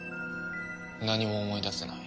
何も思い出せない。